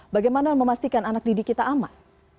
bagaimana memastikan anak didik kita aman